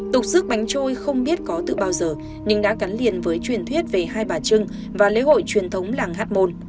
lục xước bánh trôi không biết có từ bao giờ nhưng đã cắn liền với truyền thuyết về hai bà trưng và lễ hội truyền thống làng hát môn